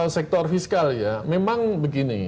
sektor fiskal ya memang begini